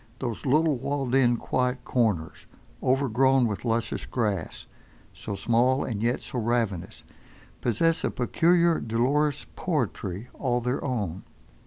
Those little walled in, quiet corners, overgrown with luscious grass, so small, and yet so ravenous, possess a peculiar dolorous poetry all their own.